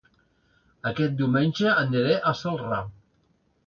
Aquest diumenge aniré a Celrà